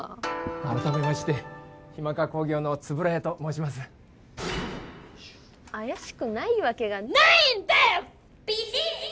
改めましてヒマカ工業の円谷と申します怪しくないわけがないんデス！